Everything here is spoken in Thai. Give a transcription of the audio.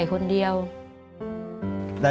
สุดท้าย